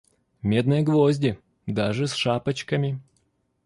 Медные гвозди! даже с шапочками.